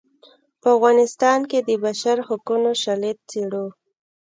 په افغانستان کې د بشر حقونو شالید څیړو.